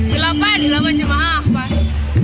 delapan delapan jama'ah